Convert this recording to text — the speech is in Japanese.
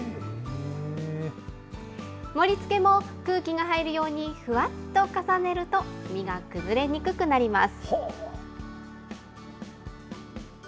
盛りつけも、空気が入るようにふわっと重ねると、身が崩れにくくなります。